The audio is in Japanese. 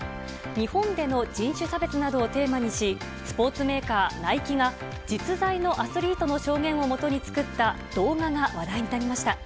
日本での人種差別などをテーマにし、スポーツメーカー、ナイキが、実在のアスリートの証言をもとに作った動画が話題になりました。